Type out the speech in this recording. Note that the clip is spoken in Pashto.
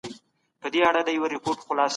پرمختيا بايد په ټولو برخو کي څرګنده وي.